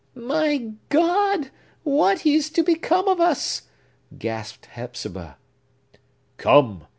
"My God! what is to become of us?" gasped Hepzibah. "Come!"